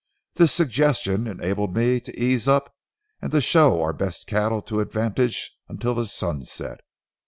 This suggestion enabled me to ease up and to show our best cattle to advantage until the sun set.